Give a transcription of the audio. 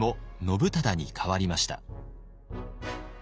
「信忠」に変わりました。